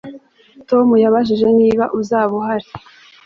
Tom yabajije niba uzaba uhari